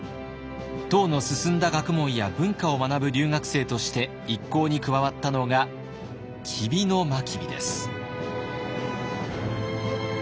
唐の進んだ学問や文化を学ぶ留学生として一行に加わったのが吉備真備です。